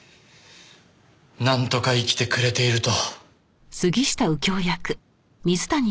なんとか生きてくれていると。